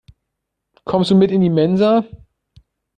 Kommst du mit in die Mensa?